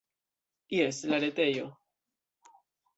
Jes, la retejo.